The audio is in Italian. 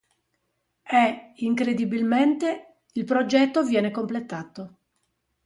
E, incredibilmente, il progetto viene completato.